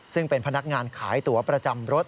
ซึ่งเป็นพนักงานขายตั๋วประจำรถ